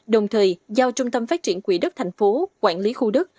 đồng thời giao trung tâm phát triển quỹ đất thành phố quản lý khu đất